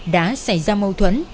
đã xảy ra mâu thuẫn